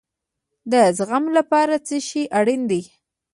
د زغم لپاره څه شی اړین دی؟